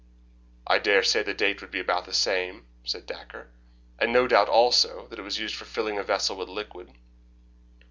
"I dare say the date would be about the same," said Dacre, "and, no doubt, also, it was used for filling a vessel with liquid.